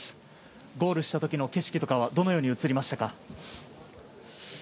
ゴールしたときの景色はどのように映りましたか？